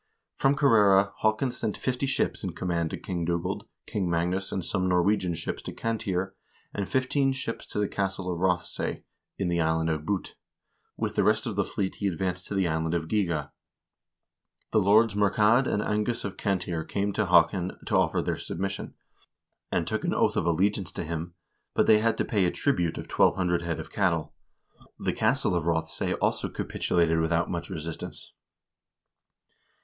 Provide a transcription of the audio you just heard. From Kerrera Haakon sent fifty ships in command of King Dugald, King Magnus, and some Norwegian captains to Cantire, and fifteen ships to the castle of Rothesay, in the island of Bute ; with the rest of the fleet he advanced to the island of Gigha. The lords Murchaed and Angus of Cantire came to Haakon to offer their submission, and took an oath of allegiance to him, but they had to pay a tribute of 1200 head of cattle. The castle of Rothesay also capitulated without much resistance.